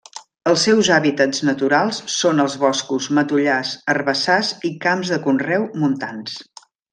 Els seus hàbitats naturals són els boscos, matollars, herbassars i camps de conreu montans.